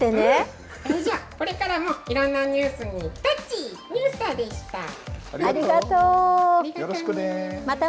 これからもいろんなニュースにタッチニュースターでした。